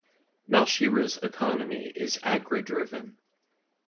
Malshiras' economy is Agri-driven.